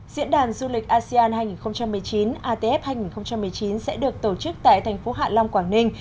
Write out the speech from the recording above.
diễn đàn du lịch asean hai nghìn một mươi chín atf hai nghìn một mươi chín sẽ được tổ chức tại thành phố hạ long quảng ninh